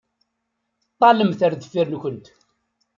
Ṭṭalemt ar deffir-nkent.